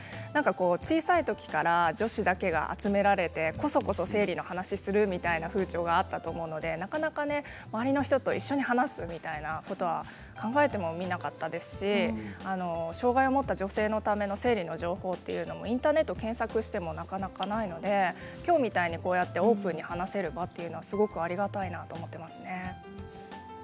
小さいときから女子だけが集められて、こそこそ生理の話をするみたいな風潮があったと思うのでなかなか周りの人と一緒に話すみたいなことは考えてもみなかったですし障害を持った女性のための生理の情報というのもインターネットを検索しても、なかなかないのできょうみたいに、こうやってオープンに話せる場というのはすごくありがたいなと思っていますね。